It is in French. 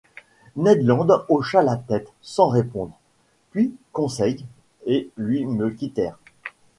Ned Land hocha la tête sans répondre, puis Conseil et lui me quittèrent.